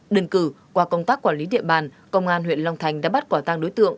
đừng cử qua công tác quản lý địa bàn công an huyện long thành đã bắt quả tăng đối tượng